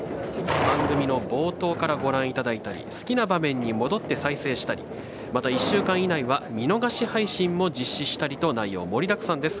番組の冒頭からご覧いただいたり好きな場面に戻って再生したりまた１週間以内は見逃し配信も実施したりと内容盛りだくさんです。